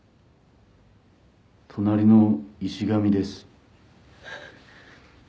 隣の石神です